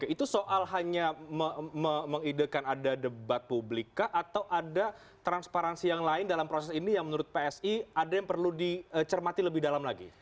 itu soal hanya mengidekan ada debat publika atau ada transparansi yang lain dalam proses ini yang menurut psi ada yang perlu dicermati lebih dalam lagi